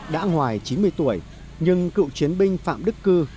đã ngoài chín mươi tuổi nhưng cựu chiến binh phạm đức cư